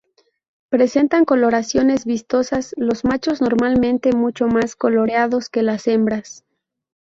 Presentan coloraciones vistosas, los machos normalmente mucho más coloreados que las hembras.